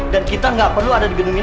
dan kita gak perlu ada di gedung ini